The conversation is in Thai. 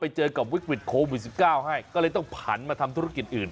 ไปเจอกับวิกวิดโควิดสิบเก้าให้ก็เลยต้องผันมาทำธุรกิจอื่น